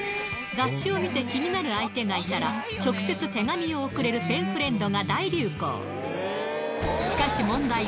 雑誌を見て気になる相手がいたら、直接手紙を送れるペンフレンドが大流行。